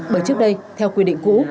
bởi trước đây theo quy định cũ